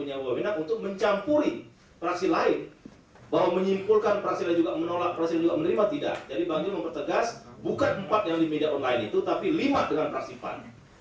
jadi bang jho mempertegas bukan empat yang di media online itu tapi lima dengan fraksi pan